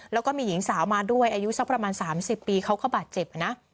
แล้วก็มีหญิงสาวมาด้วยอายุสักประมาณ๓๐ปีเขาก็บาดเจ็บนะ